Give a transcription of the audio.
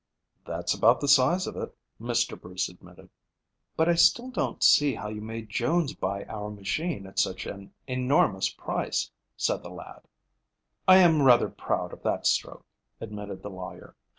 "That's about the size of it," Mr. Bruce admitted. "But I still don't see how you made Jones buy our machine at such an enormous price," said the lad. "I am rather proud of that stroke," admitted the lawyer.